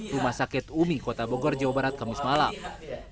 rumah sakit umi kota bogor jawa barat kamis malam